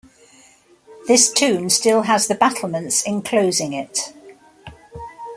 This tomb still has the battlements enclosing it.